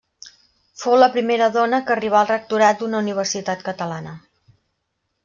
Fou la primera dona que arribà al Rectorat d'una universitat catalana.